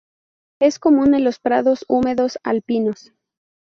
Es común en los prados húmedos alpinos.